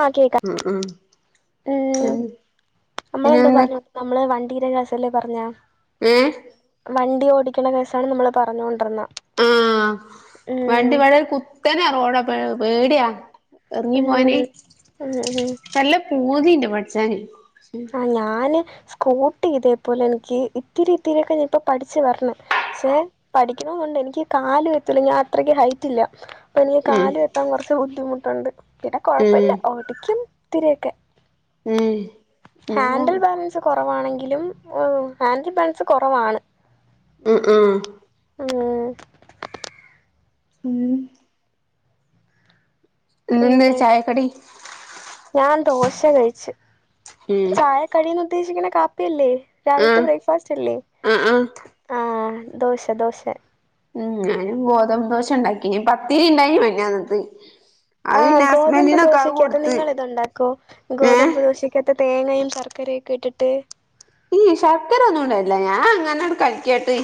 ആഹ് കേക്കാം. ഉം ഉം ഉം നമ്മളെന്ത പിന്നെന്താ പറഞ്ഞോ നമ്മള് വണ്ടീരെകേസല്ലെ പറഞ്ഞ ഏഹ് വണ്ടി ഓടിക്ക്ണ കേസാണ് നമ്മള് പറഞ്ഞോണ്ട്ര്ന്ന ആഹ്. വണ്ടി വളരെ കുത്തനാ റോഡ് പേടിയ എറങ്ങി ഉം പോവാന്. ഉം ഉം നല്ല പൂതിണ്ട് പഠ്ച്ചാന് ആഹ്. ഞാന് സ്കൂട്ടി ഇതേ പോലെ എനിക്ക് ഇത്തിരി ഇത്തിരിക്കെ ഇപ്പ പഠിച്ച് വര്ണ് ഷേ പഠിക്കണംന്നുണ്ട്, എനിക്ക് കാല് എത്തൂല ഞാൻ അത്രയ്ക്ക് ഹൈറ്റ്ല്ല. [unintelligible] കാല് എത്താൻ കൊറച്ച് ബുദ്ധിമുട്ടുണ്ട്, പിന്നെ ഉം കൊഴപ്പല്ല ഉം ഓടിക്കും ത്തിരിയൊക്കെ ഏഹ്. ഹാൻഡിൽ ബാലൻസ് കൊറവാണെങ്കിലും. ഉം ഹാൻഡിൽ ബാലൻസ് കൊറവാണ്. ഉ ഉം. ഉം ഉം ഇന്ന് എന്തെ പിന്നെ ചായക്കടി ഞാൻ ദോശ കഴിച്ച്. ഉം ചായക്കടീന്ന് ഉദ്ദേശിക്ക്ണെ കാപ്പിയല്ലെ? രാവിൽത്തെ ആഹ് ബ്രേക്ക്ഫാസ്റ്റല്ലെ? ആഹ് ആഹ് ആഹ് ദോശ ദോശ. ഉം ഞാന് ഗോതമ്പ് ദോശണ്ടാക്കീനി. പത്തിരിണ്ടായീനി മിഞ്ഞാന്നത്തെ. ആഹ് ഗോതമ്പ് ദോശക്കകത്ത് നിങ്ങളിതുണ്ടാക്കൊ? ഏഹ് ഗോതമ്പ് ദോശ ത്ത് തേങ്ങയും ശർക്കരയൊക്കെ ഇട്ടിട്ട് ഈ ശർക്കരൊന്നു ഇടെലില്ല. ഞാ അങ്ങനട് കഴ്ക്കാട്ടി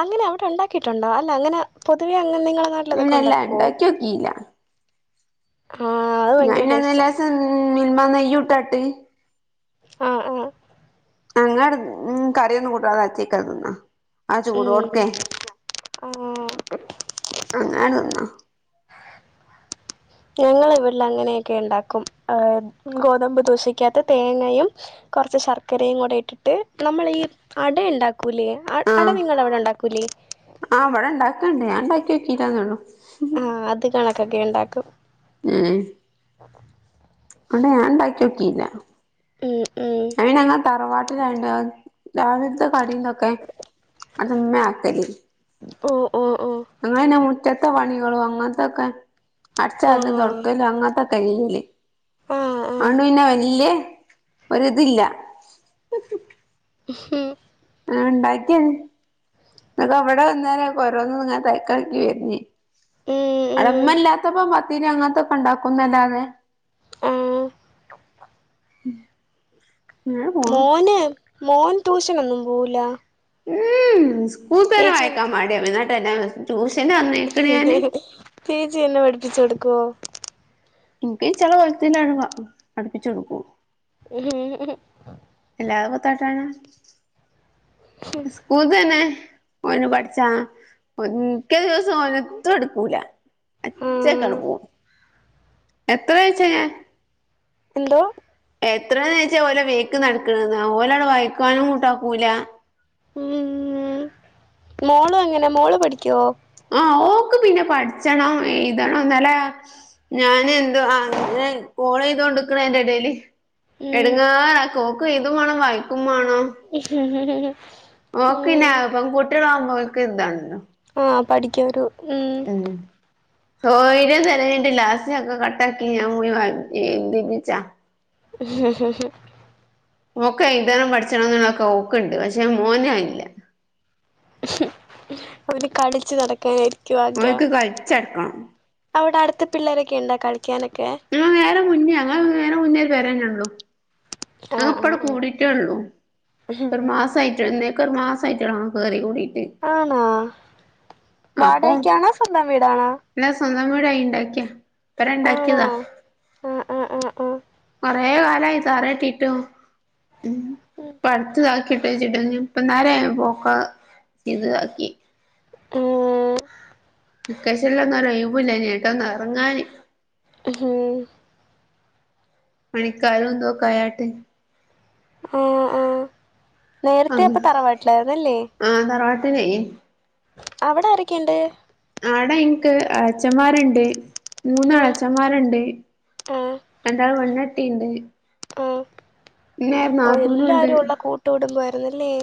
അങ്ങ്നെ അവ്ടെ ണ്ടാക്കിട്ടുണ്ടൊ? അല്ല അങ്ങനെ പൊതുവെ അങ്ങനെ നിങ്ങള നാട്ടിലതൊക്കെ ഇല്ലല്ല ഇണ്ടാക്കോ? ഇണ്ടാക്കിയോക്കിയില്ല ഞന് പിന്നെ ടേസ്റ്റാ ലേസം മിൽമ നെയ്യുട്ടട്ട് ആഹ് ആഹ് [unintelligible] ഉം കറിയൊന്നും കൂട്ടാതെ അച്ച്ക്കാണ് തിന്ന ആഹ് ചൂടോട്ക്കെ. ഉം ആഹ് അങ്ങന തിന്ന ഞങ്ങളെ വ്ടളങ്ങനെയൊക്കെ ഇണ്ടാക്കും. ഗോതമ്പ് ദോശക്കകത്ത് തേങ്ങയും കൊർച്ച് ശർക്കരേം കുടെ ഇട്ടിട്ട്, നമ്മളീ അട ഇണ്ടാക്കൂലേ? അട ആഹ് നിങ്ങടെ അവ്ടെ ഇണ്ടാക്കൂലെ? ആഹ് വടെ ഇണ്ടാക്ക്ണ്ട്. ഞാൻ ഇണ്ടാക്ക്യോക്കീട്ടെന്നൊള്ളു. ആഹ് അത് കണകൊക്കെ ഇണ്ടാക്കും ഏഹ് അട ഞാൻ ഇണ്ടാക്ക്യോക്കീല്ല. ഉം ഉം അവ് പിന്നെ ഞങ്ങളെ തറവാ രണ്ട് രാവില്ത്തെ കടീതൊക്കെ. അത് മ്മേ ആക്കല് ഓഹ് ഓഹ് അങ്ങനെ മുറ്റത്തെ പണികളും അങ്ങൻത്തൊക്കെ ആ അട്ച്ചാരലും തൊടക്കലും. അങ്ങൻതൊക്കെ [unintelligible] ആ ആ അതോണ്ട് പിന്നെ വല്യെ ഒര്തില്ല മ്ഹൂ ആഹ് ഇണ്ടാക്കി. അപ്പൊ ഇവടെ ഇന്നലെ, കൊരോന്ന് ങ്ങനെ പേകാക്കി വര്ന് ഉം ഉം അടെമ്മല്ലാത്തപ്പം പത്തിരി അങ്ങൻത്തൊക്കെ ഇണ്ടാക്കുന്നല്ലാതെ ആ [inaudible] പോണു മോന്, മോൻ ട്യൂഷനൊന്നും പോവൂലാ? ഉം സ്കൂള്തന്നെ വായിക്കാ മടിയ. എന്ന്ട്ടെ ട്യൂഷന് പറഞ്ഞയക്കണ് ഞാന് ചേച്ചിയെന്നെ പഠിപ്പിച്ചൊട്ക്കോ? ഇൻക്ക് ചള [unintelligible] പഠിപ്പിച്ച് കൊടുക്കുവോ ഉം ഉം ഉം എല്ലാം പൊത്താട്ടാണോ സ്കൂൾ തന്നെ ഓന് പഠിച്ചാ ഒക്കേ ദിവസം ഓനത്തും എടുക്കൂല ആ അച്ചായ്ക്കാങ്ങ് പോവും. എത്രാ ആഴ്ചയാ എന്തോ? എത്ര നേച്ചാ ഓരോ വീക്ക് നടക്കണത് ഓന് വൈക്കുവാനും കൂട്ടാക്കൂല്ല. ഉം ഉം മോളോങ്ങനെ മോള് പഠിക്കുവോ? ആഹ് ഓക്ക് പിന്നെ പഠിച്ചണം എഴുതണം എന്നല്ലേ ഞാൻ എന്തോ ആ കോൾ ചെയ്ത് നിക്കണെന്റെ എടയില് ഉം എടങ്ങാറാക്കും ഓക്ക് എഴുതും വേണം വായിക്കും മാണം. ഹ് ഹ് ഹ് ഓക്ക് ഞ പെൺകുട്ടിആൾ ആകുമ്പോ ഓല്ക്ക് ഇതാണല്ലോ. ആഹ് പഠിക്കൊരു ഉം. ഉം കോഴിനെ കഴിവീട്ട് ലാസ്റ്റ് ഒക്കെ കട്ടാക്കി ഞാൻ പോയി വാ തിതിപ്പിച്ചാ ഉം ഓക്ക് എഴുതണം പഠിച്ചണം എന്നുള്ളൊക്കെ ഓക്ക്ണ്ട് പക്ഷെ മോന് അയ്യില്ല. ഹും അവന് കളിച്ചു നടക്കാനായിരിക്കും ആഗ്രഹം. ഓൻക്ക് കളിച്ചടക്കണം അവടെ അടുത്ത് പിള്ളാരൊക്കെ ഒണ്ടോ കളിക്കാനൊക്കെ? ഞങ്ങളെ നേരെ മുന്നേ ഞങ്ങളെ നേരെ മുന്നേ ഒരു പേരെന്നേള്ളു. ഞാൻ ആഹ് ഒപ്പടെ ആഹ് കൂടിട്ടോ ഉള്ളൂ ഒരു ആഹ് മാസയിട്ട് എന്നെ ഇപ്പോ ഒരു മാസയിട്ട് ആയിട്ടൊള്ളു കേറികൂടിട്ട്. ആണോ വാടയ്ക്കാണോ സ്വന്തം വീടാണോ? അല്ല സ്വന്തം വീട് ആയു ഉണ്ടാക്കിയാത ഇവര് ആണോ ഒണ്ടാക്കിയതാ. ആഹ് ആഹ് ആഹ് ആഹ് കൊറെ കാലായി തറയിൽക്കിട്ടും ഉം ഇപ്പ അടുത് കാല ഇട്ടേച്ച് ഇടർഞ്ഞും ഇപ്പം താഴെ പോക്ക ഇതാക്കി. ആഹ് വെക്കേസനിൽ ഒന്നും ഒരു ഒഴിവും ഇല്ലാരുന്നു എങ്ങാട്ടോ ഒന്ന് ഒറങ്ങാന്. ഹ് ഉം പണിക്കാർ എന്തോ കയാട്ടേ ആഹ് ആഹ് നേരത്തെ അങ്ങ് അപ്പം തറവാട്ടിലായിന്നല്ലേ? ആഹ് തറവാട്ടിലെ അവിടെ ആരൊക്കെയുണ്ട്? അവിടെ എനിക്ക് അച്ചന്മാരുണ്ട് മൂന്ന് ആഹ് എളച്ച മാരുണ്ട് ആഹ് രണ്ടാൾ പെണ്ണാട്ടിയുണ്ട്. ആഹ് പിന്നെ ഒരു നാത്തൂനും ഒണ്ട്. ടുംബം ആയിരുന്നില്ലേ?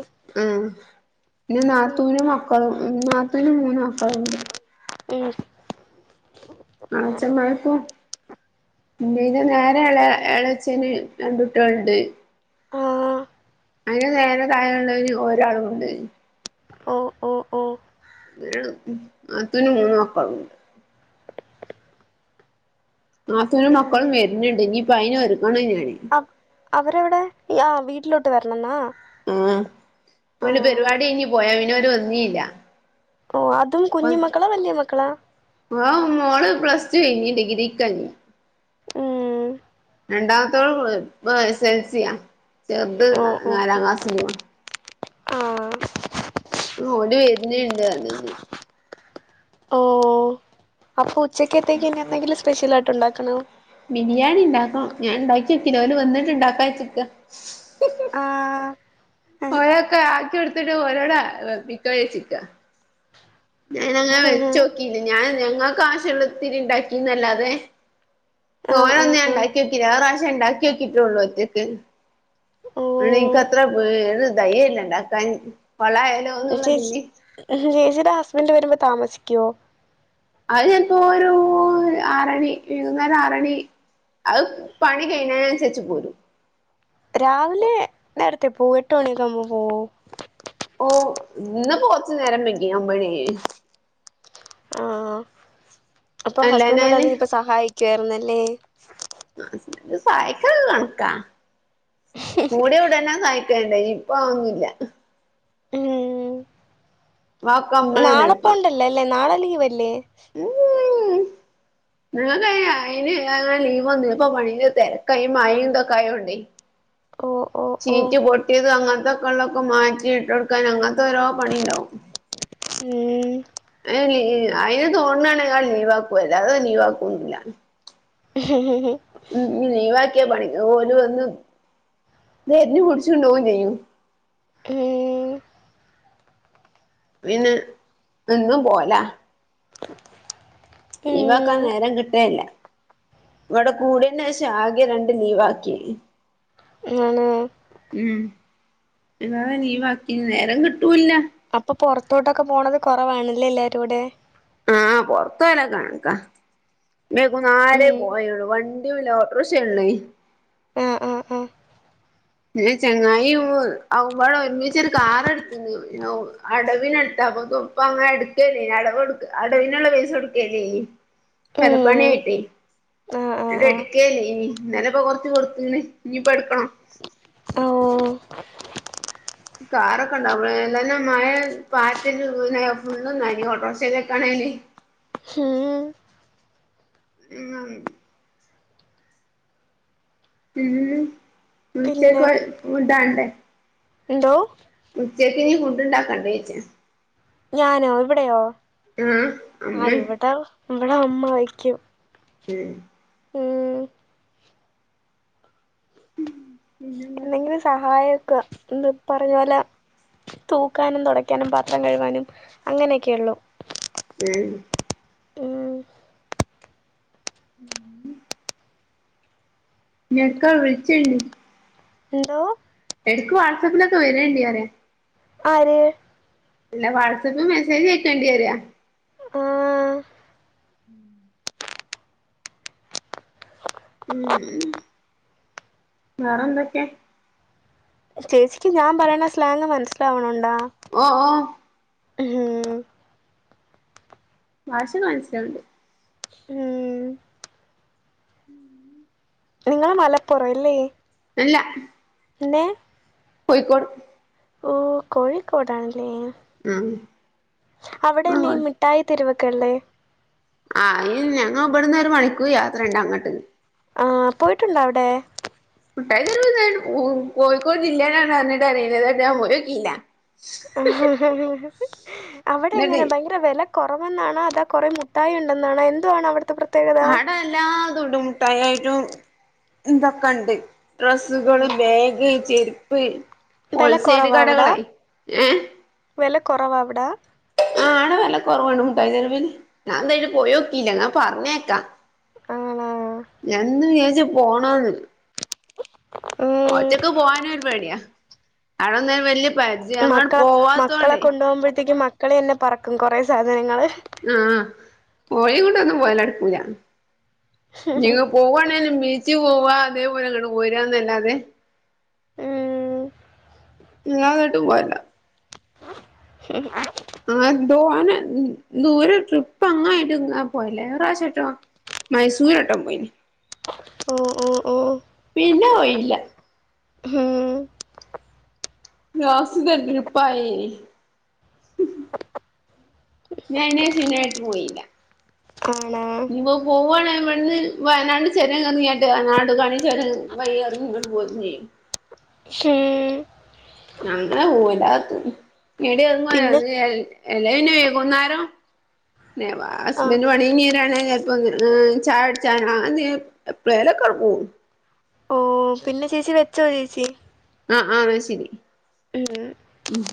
ഉം പിന്നെ നാത്തൂന് മക്കളും നാത്തൂന് മൂന്ന് മക്കൾ ഒണ്ട്. ഉം ആ അച്ഛൻ പോയപ്പോൾ ഇനിന്റെ നേരെ ഇളെ ഇളച്ചന് രണ്ട് കുട്ടികള് ഉണ്ട്. ആഹ് അതിന് നേരെ താഴെ ഉള്ളതിന് ഒരാളും ഉണ്ട്. ഓ ഓ ആഹ്, ആഹ് ഉം ന്നാത്തൂനും മൂന്ന് മക്കളുണ്ട്. നാത്തൂനും മക്കളും പിന്നെ വരുന്നുണ്ട് ഇനിയിപ്പം അയിന് ഒരുക്കണം ഞാന് അവരെവിടെ ഏ വീട്ടിലോട്ട് വരണംന്നാ. ആഹ് ഇപ്പൊൽ ആഹ് പെരിപാടി കയിഞ്ഞ് പോയാ പിന്നോര് വന്നി ഇല്ല ഓഹ് അതും കുഞ്ഞു മക്കളാ? വല്ല്യ മക്കളാ? ആഹ് മോള് പ്ലസ്ടു കയിഞ്ഞു ഡിഗ്രിക്കെ കയിഞ്ഞു ഉം രണ്ടാമത്തോള് പ്ല ഇപ്പ എസ് എൽ സിയാ ചെർത് ഓ നാ ഓ ഓ നാലാം ക്ലാസിലുവാണ് ആഹ് ആ ഓടി വരുണ് ഉണ്ട് പറഞ്ഞിനി. ഓ അപ്പൊ ഉച്ചക്കത്തേക്ക് ഇനി എന്തെങ്കിലും സ്പെഷ്യലായിട്ട് ഉണ്ടാക്കണോ ബിരിയാണി ഇണ്ടാക്കാം ഞാൻ ഇണ്ടാക്കി വയ്ക്കില്ല ഓല് വന്നിട്ട് ഇണ്ടാക്കാവച്ചിട്ടാ ആഹ് ആഹ് ഓരൊക്ക ആക്കി കൊടുത്തിട്ട് ഒരോടാ മിക്ക ചിക്ക [unintelligible] ഞാനങ്ങ വെച്ചോക്കിയില്ല ഞാൻ ഞങ്ങക്ക് ആവിശൊള്ളത്തിരി ഇണ്ടാക്കിന്നല്ലാതെ ആഹ് തോനയൊന്നും ഞാൻ ആഹ് ഇണ്ടാക്കി വെക്കില്ല ഒറാശ്യം ഇണ്ടാക്കി നോക്കിട്ടേള്ളു ഒറ്റക്ക് ഓ അയിന് ഇൻക്ക് അത്ര പേ ഒര് ധൈര്യം ഇല്ല ഇണ്ടാക്കാൻ കൊളായാലോ? [unintelligible] ചേച്ചി എന്നുള്ളതില് ചേച്ചീടെ ഹസ്ബെന്റ് വെരുമ്പൊ താമസിക്കോ? അഹ് ചെൽപ്പോ ഒരു ആറെണി വൈകുന്നേരം ആറെണി അഹ് പണി കഴ്ണെന് അന്സെര്ച്ച് പേരും രാവിലെ നേരത്തെ പോവോ? എട്ട് മണിയൊക്കെ ആവുമ്പം പോവോ? പോവും ഇന്ന് ഇപ്പം കൊർച്ച് നേരം വെങ്കി ഒമ്പെണി ആയി ആ അപ്പൊ അല്ലാഞ്ഞാല് ഹസ്ബന്റൊണ്ടാരുന്നെങ്കി ഇപ്പൊ സഹായിക്കുവായിരുന്നല്ലേ സഹായിക്കല് കണക്കാ മൂട ഉടന്നെ സ വേണ്ടയും ഇപ്പൊ അതൊന്നു ഇല്ല ഉം ഒക്കെ നമ്മളന്നെ നാളെ പോവണ്ടല്ലോ അല്ലേ നാളെ ലീവല്ലേ ഓ [unintelligible] നിങ്ങക്ക് അയിന് അയിന് ലീവ് ഒന്നൂല്യ ഇപ്പോ പണിന്റെ തെരക്കാ ഈ മഴേം ഇതൊക്ക ആയോണ്ടെ. ഓഹ് ഓഹ് ഒഹ് റ്റി പൊട്ടിയത് അങ്ങനത്തൊക്കെ ഒള്ളൊക്കെ മാറ്റി ഇട്ട് കൊടുക്കാൻ അങ്ങനത്തെ ഓരോ പണിയിണ്ടാവും ഉം അയിന് ലീവ് അയിന് തോണ്ണാണെങ്കി അഹ് ലീവാക്കും അല്ലാതെ അത് ലീവാക്കൊന്നും ഇല്ല ഉ ഇഞ് ലീവാക്കിയാ പണിന്ന് ഓല് വന്ന് തെരഞ്ഞു പുടിച്ചുണ്ടോവും ചെയ്യും. ഏഹ് പിന്നെ എന്നും പോവ്‌ലാ ലീവാക്കാൻ ഉം നേരം കിട്ടെ ഇല്ല ഇവെടെ കൂടെയ്നേഷം ആകെ രണ്ട് ലീവാക്കെയ് അനെ [unintelligible] ഈ ഉം എന്നാ തെന്നെ ലീവാക്കീണ് നേരം കിട്ടൂല്ലാ അപ്പ പൊറത്തോട്ടൊക്കെ പോണെത് കൊറവാണ് അല്ലെ എല്ലാരൂടെ ആഹ് പൊർത്ത് പോയാൽ ഒക്കെ കണ്ക്കാ വൈകുന്നാരെ ഉം പോയതൊള്ളു വണ് ഇല്ല ഓട്ട്രിഷയാണ് ആഹ് ആഹ് പിന്നെ ചങ്ങായി ഓ അഹും പാടെ ഒര്മിച്ചൊര് കാർ എട്ത്തിന്നു ഞാ ഓ അടവിന് എട്ത്താ കപ്പ അങ്ങനെ ഇട്ക്കെയ് ഇല്ലെയ്നി അടവ് ഇട്ക്കാ അടവ്ന് ഇള്ള പൈസ കൊട്ക്കെ ഇല്ലെയ്നി പെരപ്പണി ഉം ആയിട്ടെയ് ആഹ് ആഹ് അത് ആഹ് എട്ക്കെയ്നി ഇന്നലെ ഇപ്പം കൊർച്ച് കൊട്ത്തീനി ഇഞ്ഞ് ഇപ്പം എട്ക്കെണം ആഹ് ഓഹ് കാറൊക്കെ ഉണ്ടാവണം എല്ലങ്കി മഴ പാറ്റല് പിന്നെ ഫുള്ളും നനയും ഓട്ട്രക്ഷേലൊക്കെ ആണേല് ഉം [unintelligible] ഉം പിന്നെ ഉച്ചക്ക് ഫുഡ്‌ ആവണ്ടേ. എന്തോ? ഉച്ചെക്ക് ഇഞ്ഞ് ഫുഡ് ഇണ്ടാക്കെണ്ടെ ഓയ്ച്ചാ ഞാനോ ഇവടെയോ ആഹ് ആഹ് അമ്മേ ഇവടെ ഇവടെ ഉമ്മ വെയ്ക്കും ഏഹ് ഏഹ് ഏഹ പിന്നെന്താ എന്തെങ്കിലും സഹായൊക്ക എന്ത് പറഞ്ഞാല തൂക്കാനും തൊടയ്ക്കാനും പാത്രം കഴുകാനും അങ്ങനെയൊക്കെയുള്ളു [unintelligible] ഉം ഉം ന്നെക്കാ വിളിച്ച്ണ്ട് എന്തോ എടക്ക് വാട്സപ്പിലൊക്കെ വരേണ്ടിവരേ ആര് ഇല്ല വാട്സപ്പിൽ മെസേജ് അയക്കേണ്ടി വരോ ആഹ് ഉം ഉം ഉം വേറെ എന്തൊക്കെ ചേച്ചിക്ക് ഞാൻ പറയ്ണ സ്ലാങ് മനസ്സിലാവുണുണ്ടാ? ഓഹ് ഓഹ് ഭാഷൊക്ക മനസ്സിലാവ്ണ്ട് ഉം ഉം നിങ്ങള് മലപ്പുറം വല്ലേ ഇല്ല പിന്നെ കോഴിക്കോട് ഓഹ് കോഴിക്കോടാണല്ലേ ആഹ് അവിടല്ലേ ഈ ആഹ് മി ട്ടായി തെരുവൊക്കെ ഇള്ളേ ആഹ് ഇ ഞങ്ങ ബ്ടുന്നൊരു മണിക്കൂർ യാത്ര ഇണ്ട് അങ്ങട്ട് ആഹ് പോയിട്ടുണ്ടോ അവടെ മിഠായി തെരുവ്ന്നറയണേ കോ കോഴിക്കോട് ജില്ലേലാണ് റഞ്ഞിട്ട് കാര്യല്ല്യ ഞാൻ [unintelligible] പോയോക്കില്ല അവടെ എന്നിട്ട് എങ്ങനെ ഭയങ്കര വെല കൊറവെന്നാണോ അതോ കൊറേ മുട്ടായിയുണ്ടെന്നാണോ എന്തുവാണ് അവ്ടുത്തെ പ്ര ആട എല്ലാതുണ്ട് മുട്ടായിയായിട്ടും ഇതൊക്ക ഇണ്ട് ഡ്രസ്സുകള്, ഉം ബാഗ്, ചെരുപ്പ്, ഹോൾ വില സെയില് കടകളെ ഏഹ് വെല കൊറവാ അവിടെ ആഹ ആടെ വെല കൊറവാണ് മുട്ടായി തെരുവിൽ ഞാൻ ന്തായ്ലും പോയോക്കില്ല ന്നാ പറഞ്ഞേക്കാം ആണോ ഞാൻ ഇന്ന് വിചാരിച്ച് പോണംന്ന് ഉം ഒറ്റക്ക് പോവാനു ഒരു പേടിയാ അവ്ടെന്തേനു വെല്ല്യെ മക്കളെ മക്കളെ കൊണ്ടുപോമ്പഴത്തേക്കും മക്കള് തന്നെ പറക്കും കുറെ സാധനങ്ങള് ആഹ ഒരേ കൊണ്ടൊന്നും പോവല് നടക്കൂല ഞ്ഞി ഒക്ക പോവാണേലും ബീച്ചി പോവാ അതേപോലെ ങ്ങട് പോരന്നല്ലാതെ ഏഹ് ഞാൻ അന്നട്ട് വരം [inaudible] ആ ന്തോനെ ന് ദൂരെ ട്രിപ്പ് അങ്ങനായിട്ട് ഇങ്ങെ പോയിട്ടില്ല ഒര് പ്രാവശ്യട്ടോ മൈസൂരൊട്ടം പോയി ഓഹ് ഓഹ് ഓഹ് പിന്നെ പോയില്ല ഉം ലാസ്റ്റ്‌തെ ട്രിപ്പായി ഞാൻ അയിനെശം ചുനായിട്ട് പോയില്ല. ആണോ? ഇനീപ്പോ പോവാണ് ഇവിടെന്ന് വയനാട് ചൊരം എർങിയാട്ട് നാടുകാണി ചൊരം- വയ്യാതെങ്ങട്ട് പോര്ഞ്ഞയ്. ഹും ഞങ്ങള് പോവൂലാന്ന [unintelligible] [unintelligible] പിന്നെ അല്ലെ പിന്നെ വൈകുന്നാരം - ആ ഹസ്ബൻറ് പണി കഴിഞ്ഞേരാണെങ്കി ചെലപ്പോ ചായ കുടിച്ചാനോ അങ്ങനെ എന്തേലും - എപ്ലെലൊക്കെങ്ങട്ട് പോവും ഓ പിന്നെ ചേച്ചി, വെച്ചോ ചേച്ചി. ആ ആ അത് ശരി ഉം ഉം.